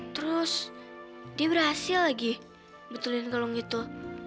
terus dia berhasil lagi betulin kalung itu